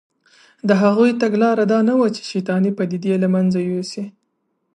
د هغوی تګلاره دا نه وه چې شیطانې پدیدې له منځه یوسي